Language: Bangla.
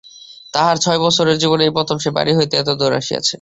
তাহার ছয় বৎসরের জীবনে এই প্রথম সে বাড়ি হইতে এতদূরে আসিয়াছে।